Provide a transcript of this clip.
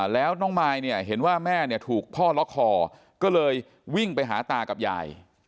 แล้วน้องมายเนี่ยเห็นว่าแม่เนี่ยถูกพ่อล็อกคอก็เลยวิ่งไปหาตากับยาย